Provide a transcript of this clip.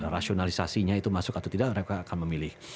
rasionalisasinya itu masuk atau tidak mereka akan memilih